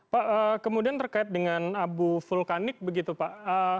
pak kemudian terkait dengan abu vulkanik begitu pak